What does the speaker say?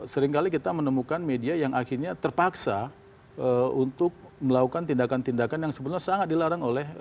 seringkali kita menemukan media yang akhirnya terpaksa untuk melakukan tindakan tindakan yang sebenarnya sangat dilarang oleh